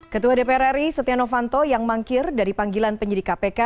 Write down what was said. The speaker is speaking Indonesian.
ketua dpr ri setia novanto yang mangkir dari panggilan penyidik kpk